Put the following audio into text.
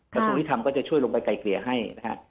กระทรวงยุทธรรมก็จะช่วยลงไปไกลเกลี่ยให้นะฮะ